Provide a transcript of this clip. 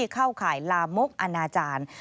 เข้าข่ายลามกอนาจารย์